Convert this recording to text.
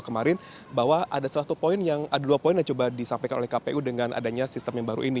kemarin bahwa ada dua poin yang coba disampaikan oleh kpu dengan adanya sistem yang baru ini